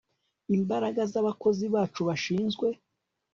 Imbaraga zabakozi bacu bashinzwe